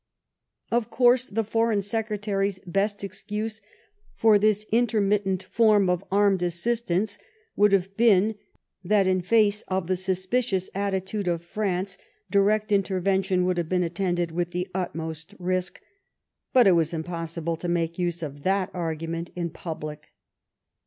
Of course, the Foreign Secretary's best excuse for this intermittent form of armed assistance would have been that^ in face of the suspicious attitude of France, direct intervention would have been attended with the utmost risk, but it was impossible to make use of that argument in public.